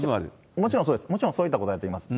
もちろんそうです、もちろんそういったことをやっていきます。